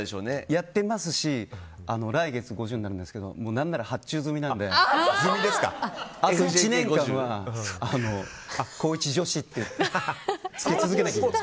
やってますし来月５０になるんですけど何なら発注済みなのであと１年間は高１女子って着け続けなきゃいけない。